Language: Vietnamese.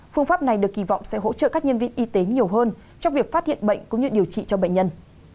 phương pháp này được kỳ vọng sẽ hỗ trợ các nhân viên y tế nhiều hơn trong việc phát hiện bệnh cũng như điều trị cho bệnh nhân